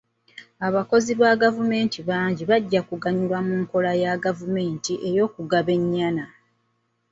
Abakozi ba gavumenti bangi bajja kuganyulwa mu nkola ya gavumenti ey'okugaba ennyana.